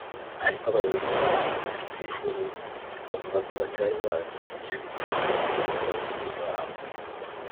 Ariko abayobozi ba Rusthuru bavuga ko batari bazi ibyo biri kuba ku baturage babo